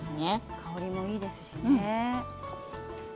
香りもいいですしね。